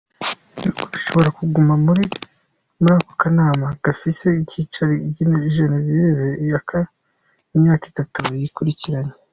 Ibihugu bishobora kuguma muri ako kanama gafise icicari i Geneve, imyaka itatu yikurikiranya.